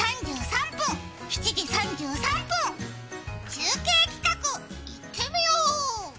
中継企画いってみよう！